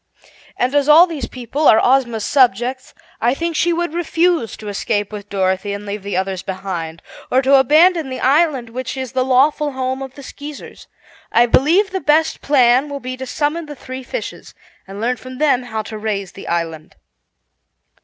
"And as these people are Ozma's subjects, I think she would refuse to escape with Dorothy and leave the others behind, or to abandon the island which is the lawful home of the Skeezers. I believe the best plan will be to summon the three fishes and learn from them how to raise the island."